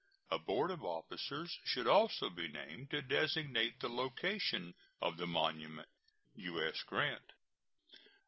A board of officers should also be named to designate the location of the monument. U.S. GRANT.